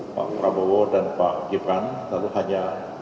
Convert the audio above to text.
pak prabowo dan pak gibran lalu hanya